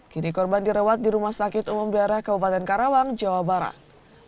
kini korban dirawat di rumah sakit umum daerah kabupaten karawang jawa barat